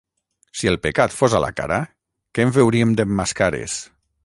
Si el pecat fos a la cara, que en veuríem d'emmascares!